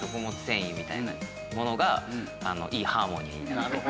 繊維みたいなものがいいハーモニーになって。